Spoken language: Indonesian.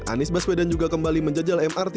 anies baswedan juga kembali menjajal mrt